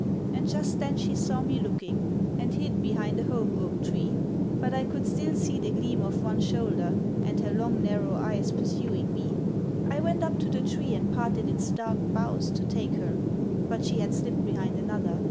And just then she saw me looking, and hid behind a holm oak tree; but I could still see the gleam of one shoulder and her long narrow eyes pursuing me. I went up to the tree and parted its dark boughs to take her; but she had slipped behind another.